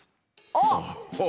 あっ！